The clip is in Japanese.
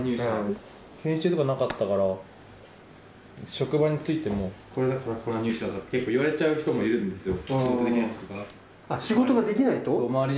研修とかなかったから、職場についても、これだからコロナ入社だって、結構言われちゃう人もいるんですよ。